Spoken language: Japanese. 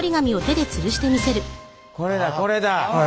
これだこれだ。